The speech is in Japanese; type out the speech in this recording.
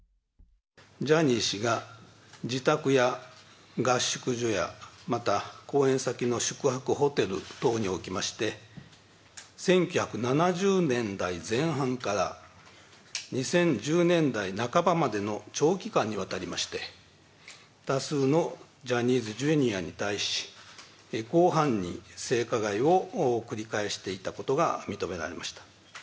ジャニー氏が、自宅や合宿所や、また公演先の宿泊ホテル等におきまして、１９７０年代前半から２０１０年代半ばまでの長期間にわたりまして、多数のジャニーズＪｒ．に対し、広範に性加害を繰り返していたことが認められました。